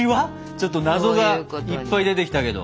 ちょっと謎がいっぱい出てきたけど。